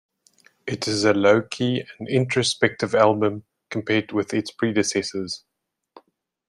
It is a low-key and introspective album compared with its predecessors.